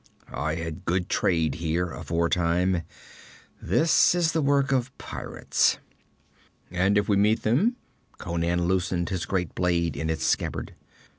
'I had good trade here, aforetime. This is the work of pirates.' 'And if we meet them?' Conan loosened his great blade in its scabbard.